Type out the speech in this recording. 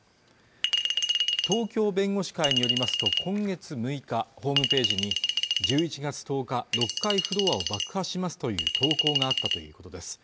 東京弁護士会によりますと今月６日ホームページに１１月１０日６階フロアを爆発しますという投稿があったということです